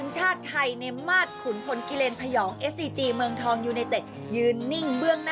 จิ๊กกล้องจิ๊กกล้อง